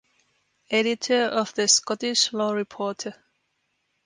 Editor of the "Scottish Law Reporter".